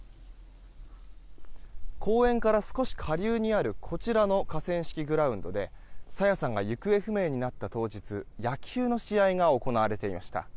公園から少し下流にあるこちらの河川敷グラウンドで朝芽さんが行方不明になった当日野球の試合が行われていました。